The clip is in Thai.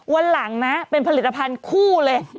วันหลังนะเป็นผลิตภัณฑ์คู่เลย